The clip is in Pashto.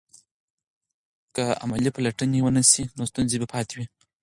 که عملي پلټنې ونه سي نو ستونزې به پاتې وي.